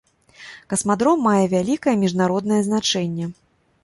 Касмадром мае вялікае міжнароднае значэнне.